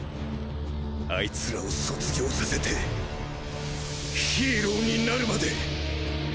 あいつらを卒業させてヒーローになるまで！